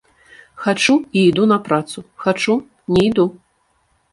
Хачу і іду на працу, хачу не іду.